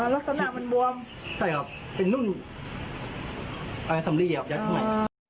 อ๋อลักษณะมันบวมใช่ครับเป็นนุ่นเอ่อสำเรียบยักษ์ใหม่อ่า